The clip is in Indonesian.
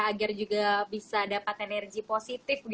agar juga bisa dapat energi positif